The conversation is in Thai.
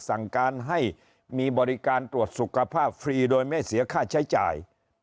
สั่งการให้มีบริการตรวจสุขภาพฟรีโดยไม่เสียค่าใช้จ่าย